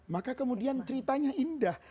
maka kemudian ceritanya indah